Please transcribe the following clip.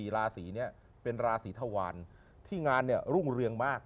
๔ราศีนี่เป็นราศีทวารที่งานรุ่งเรืองมาก